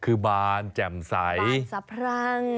คือบานแจ่มใสบานสับพรั่ง